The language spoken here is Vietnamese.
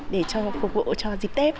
để phục vụ cho dịp tết